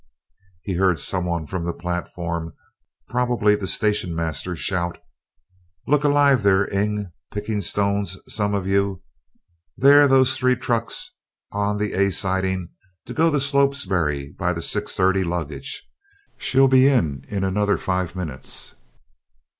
He heard some one from the platform, probably the station master, shout, "Look alive, there, Ing, Pickstones, some of you. There's those three trucks on the A siding to go to Slopsbury by the 6.30 luggage she'll be in in another five minutes."